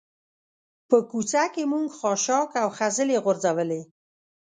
په کوڅه کې موږ خاشاک او خځلې غورځولي.